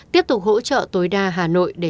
tiếp tục hỗ trợ tối đa hà nội để